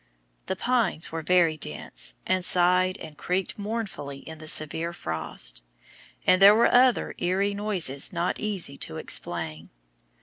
The pines were very dense, and sighed and creaked mournfully in the severe frost, and there were other EERIE noises not easy to explain.